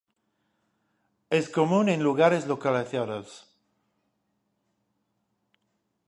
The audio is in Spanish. Es común en lugares localizados.